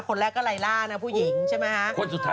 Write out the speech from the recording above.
คนแรกก็ไล่ล่านะผู้หญิงใช่ไหมฮะ